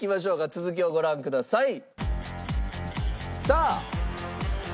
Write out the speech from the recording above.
続きをご覧ください。さあ。